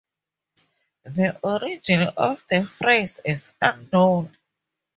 The origin of the phrase is unknown.